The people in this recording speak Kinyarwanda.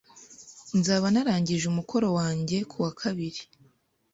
Nzaba narangije umukoro wanjye kuwa kabiri